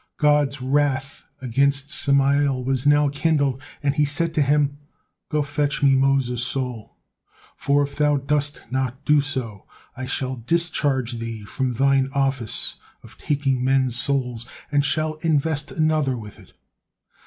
God's wrath against Samael was now kindled, and He said to him: "Go, fetch Me Moses soul, for if thou dost not do so, I shall discharge thee from thine office of taking men's souls, and shall invest another with it."